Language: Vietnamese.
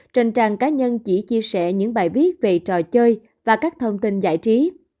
trên trang cá nhân chỉ chia sẻ những bài viết về trò chơi và các thông tin giải trí